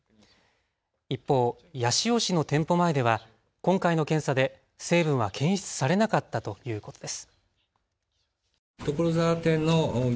一方、八潮市の店舗前では今回の検査で成分は検出されなかったということです。